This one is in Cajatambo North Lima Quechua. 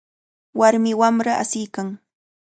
Warmi wamra asiykan.